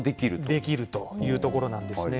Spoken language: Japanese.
できるというところなんですね。